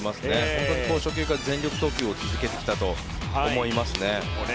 本当に初球から全力投球を続けてきたと思いますね。